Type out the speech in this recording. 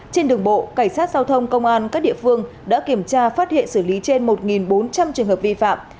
trên đường bộ cảnh sát giao thông công an các địa phương đã kiểm tra phát hiện xử lý trên một bốn trăm linh trường hợp vi phạm